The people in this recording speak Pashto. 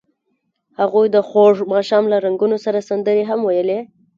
هغوی د خوږ ماښام له رنګونو سره سندرې هم ویلې.